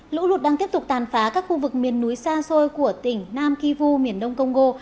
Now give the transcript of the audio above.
lũ lụt đang tiếp tục tàn phá các khu vực miền núi xa xôi của tỉnh nam kivu miền đông công gô